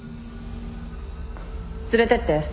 連れてって。